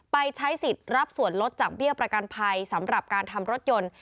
ใช้สิทธิ์รับส่วนลดจากเบี้ยประกันภัยสำหรับการทำรถยนต์